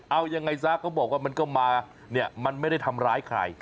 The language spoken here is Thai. เอายังไงซะก็บอกว่ามันก็มาเนี่ยมันไม่ได้ทำร้ายใคร